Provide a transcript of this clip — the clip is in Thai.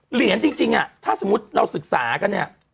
เหรียญจริงถ้าสมมุติเราศึกษากันเนี่ย